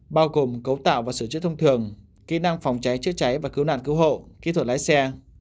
bao gồm cấu tạo và sửa chữa thông thường kỹ năng phòng cháy chữa cháy và cứu nạn cứu hộ kỹ thuật lái xe